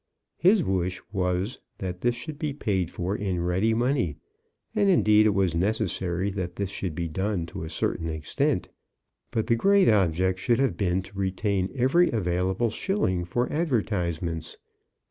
His wish was that this should be paid for in ready money; and indeed it was necessary that this should be done to a certain extent. But the great object should have been to retain every available shilling for advertisements.